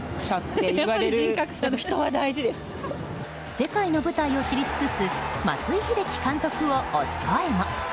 世界の舞台を知り尽くす松井秀喜監督を推す声も。